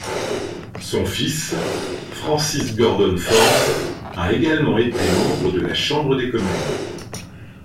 Son fils, Francis Gordon Forbes, a également été membre de la Chambre des communes.